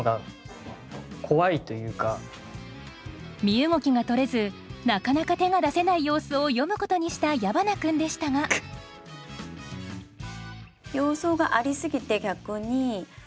身動きがとれずなかなか手が出せない様子を詠むことにした矢花君でしたが要素がありすぎて逆に臨場感が。